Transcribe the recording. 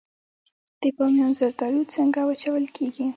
د بامیان زردالو څنګه وچول کیږي؟